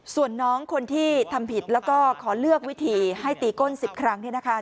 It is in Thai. ส่วนน้องคนที่ทำผิดแล้วก็ขอเลือกวิธีให้ตีก้น๑๐ครั้งเนี่ยนะคะ